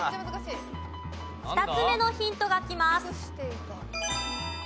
２つ目のヒントがきます。